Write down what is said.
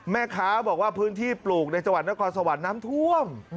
แม่ค้าบอกว่าพื้นที่ปลูกในจังหวัดนครสวรรค์น้ำท่วม